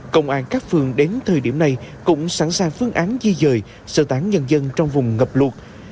công an các phương đến thời điểm này cũng sẵn sàng phương án di dời sơ tán nhân dân trong vùng ngập lụt